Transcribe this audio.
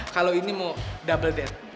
kalau ini mau double dead